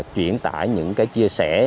chuyển tải những cái chia sẻ